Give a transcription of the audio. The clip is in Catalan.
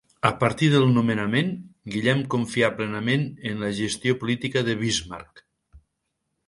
A partir del nomenament, Guillem confià plenament en la gestió política de Bismarck.